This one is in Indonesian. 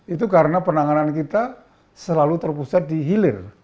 itu karena penanganan kita selalu terpusat di hilir